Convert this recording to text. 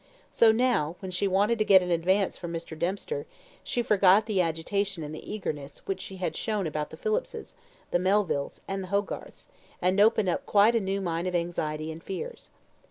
So now, when she wanted to get an advance from Mr. Dempster, she forgot the agitation and the eagerness which she had shown about the Phillipses, the Melvilles, and the Hogarths, and opened up a quite new mine of anxieties and fears.